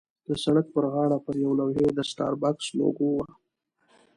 د سړک پر غاړه پر یوې لوحې د سټاربکس لوګو وه.